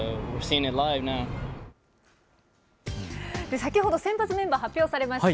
先ほど先発メンバー、発表されました。